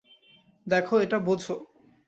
দেখো, এটা বোঝো।